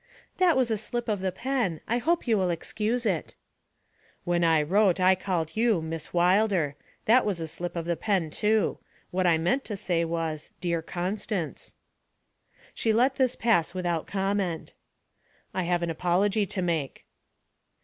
"' 'That was a slip of the pen; I hope you will excuse it.' 'When I wrote I called you "Miss Wilder"; that was a slip of the pen too. What I meant to say was, "dear Constance."' She let this pass without comment. 'I have an apology to make.'